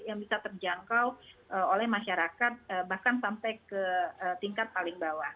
yang bisa terjangkau oleh masyarakat bahkan sampai ke tingkat paling bawah